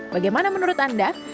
bagaimana menurut anda